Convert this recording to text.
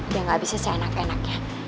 udah gak bisa seenak enaknya